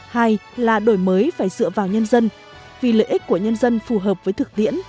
hai là đổi mới phải dựa vào nhân dân vì lợi ích của nhân dân phù hợp với thực tiễn